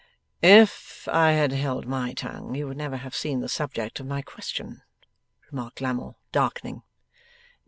'If I had held my tongue, you would never have seen the subject of my question,' remarked Lammle, darkening.